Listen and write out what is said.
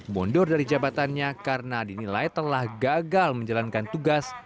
mundur dari jabatannya karena dinilai telah gagal menjalankan tugas